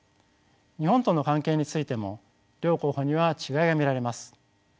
日本との関係についても両候補には違いが見られます。